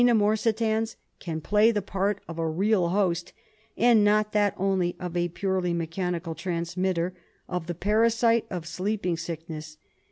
morsitans can play the part of a real host, and not that only of a purely mechanical transmitter, of the parasite of sleeping sickness.